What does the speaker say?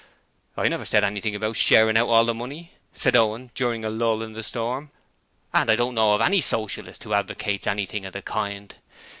'I never said anything about "sharing out all the money",' said Owen during a lull in the storm, 'and I don't know of any Socialist who advocates anything of the kind.